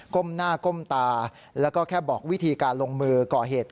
้มหน้าก้มตาแล้วก็แค่บอกวิธีการลงมือก่อเหตุ